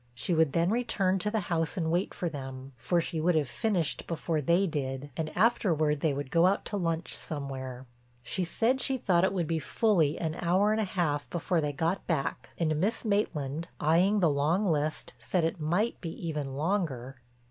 She would then return to the house and wait for them—for she would have finished before they did—and afterward they would go out to lunch somewhere. She said she thought it would be fully an hour and a half before they got back and Miss Maitland, eyeing the long list, said it might be even longer.